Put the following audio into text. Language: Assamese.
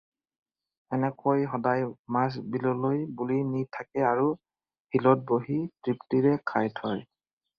এনেকৈ সদায় মাছ বিললৈ বুলি নি থাকে আৰু শিলত বহি তৃপ্তিৰে খাই থয়।